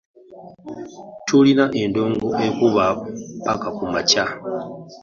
Tulina endongo ekuba mpaka kumakya.